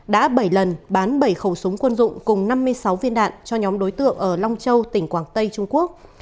đã bảy lần bán bảy khẩu súng quân dụng cùng năm mươi sáu viên đạn cho nhóm đối tượng ở long châu tỉnh quảng tây trung quốc